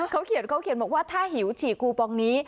เขาเขียนบอกว่าถ้าหิวฉี่กูปองนี้